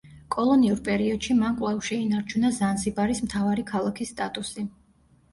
კოლონიურ პერიოდში მან კვლავ შეინარჩუნა ზანზიბარის მთავარი ქალაქის სტატუსი.